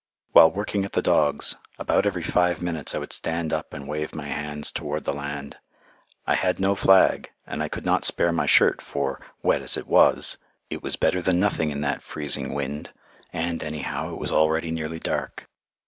While working at the dogs, about every five minutes I would stand up and wave my hands toward the land. I had no flag, and I could not spare my shirt, for, wet as it was, it was better than nothing in that freezing wind, and, anyhow, it was already nearly dark.